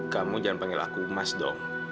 kamu jangan panggil aku emas dong